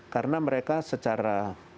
karena mereka secara